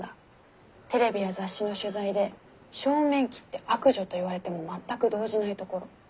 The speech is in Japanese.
テレビや雑誌の取材で正面切って悪女と言われても全く動じないところ。